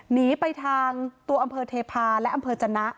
หนีไปทางตัวอำเภอเทพาะและอำเภอจนะ